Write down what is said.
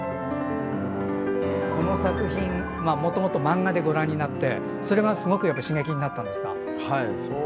この作品、もともと漫画でご覧になって、それがすごく刺激になったんですか？